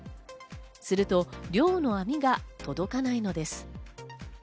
すると漁の網が届かないのです。